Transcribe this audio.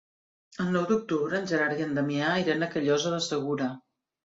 El nou d'octubre en Gerard i en Damià iran a Callosa de Segura.